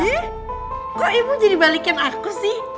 eh kok ibu jadi balikin aku sih